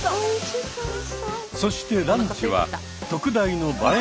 そしてランチは特大の映え